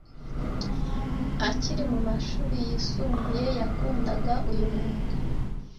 Akiri mu mashuri yisumbuye yakundaga uyu mwuga